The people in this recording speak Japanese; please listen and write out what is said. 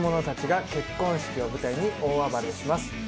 たちが結婚式を舞台に大暴れします。